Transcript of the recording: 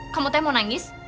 kamu teh mau nangis